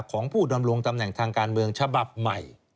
ของผู้ดำรงตำแหน่งทางการเมืองฉบับใหม่